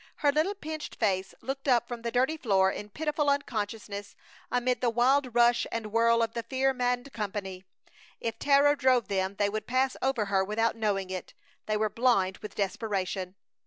Her little pinched face looked up from the dirty floor in pitiful unconsciousness amid the wild rush and whirl of the fear maddened company. If terror drove them they would pass over her without knowing it. They were blind with desperation.